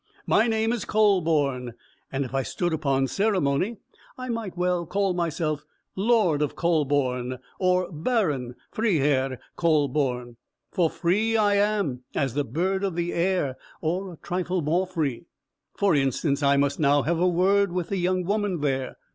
"My name is Kühleborn, and if I stood upon ceremony, I might well call myself Lord of Kühleborn, or Baron (Freiherr) Kühleborn; for free I am, as the bird of the air, or a trifle more free. For instance, I must now have a word with the young woman there."